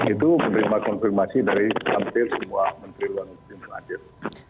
itu menerima konfirmasi dari hampir semua menteri luar negeri